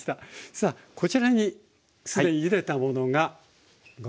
さあこちらに酢でゆでたものがございます。